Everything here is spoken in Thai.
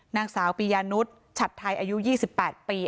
นางสาวปียานุษย์ฉัดไทยอายุ๒๘ปี